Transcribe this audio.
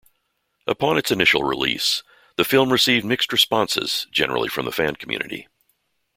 Upon its initial release, the film received mixed responses, generally from the fan community.